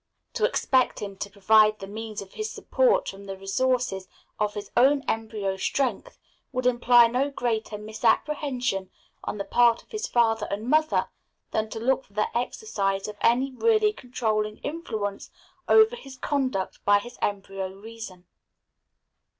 To expect him to provide the means of his support from the resources of his own embryo strength, would imply no greater misapprehension on the part of his father and mother than to look for the exercise of any really controlling influence over his conduct by his embryo reason.